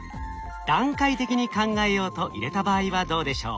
「段階的に考えよう」と入れた場合はどうでしょう。